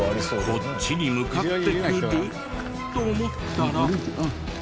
こっちに向かってくると思ったら。